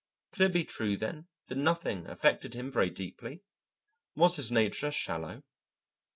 Could it be true, then, that nothing affected him very deeply? Was his nature shallow?